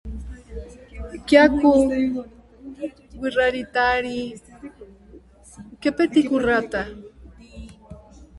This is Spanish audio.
Evolucionaron independientemente en completo aislamiento en el continente sudamericano.